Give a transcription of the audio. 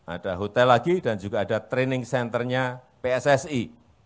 ada hotel lagi dan juga ada training centernya pssi